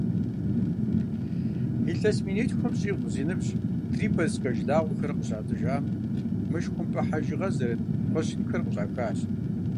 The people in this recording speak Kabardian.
Илъэс минитхум щӏигъу зи ныбжь трипольскэ жылагъуэхэр къыщатӏыжам, мышхумпӏэ хьэжыгъэ зэрыт кхъуэщынхэр къыщӏахащ.